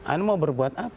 anda mau berbuat apa